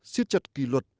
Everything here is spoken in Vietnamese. xuyết chặt kỳ luật